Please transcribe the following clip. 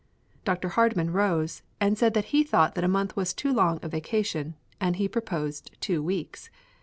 Dr. Hardman rose, and said that he thought that a month was too long a vacation, and he proposed two weeks.